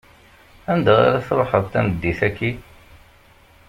Anda ara tṛuḥeḍ tameddit-aki?